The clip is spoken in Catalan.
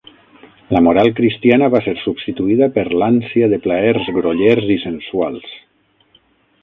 La moral cristiana va ser substituïda per l'ànsia de plaers grollers i sensuals.